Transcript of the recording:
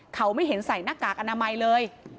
เขาไม่เห็นใส่หน้ากากอนามัยเลย